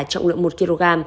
trọng lượng một kg